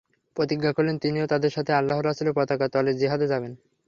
প্রতিজ্ঞা করলেন, তিনিও তাদের সাথে আল্লাহর রাসূলের পতাকা তলে জিহাদে যাবেন।